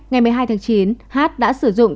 ngày một mươi hai tháng chín hát đã sử dụng